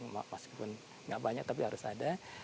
meskipun nggak banyak tapi harus ada